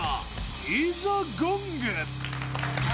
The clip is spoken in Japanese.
いざ、ゴング！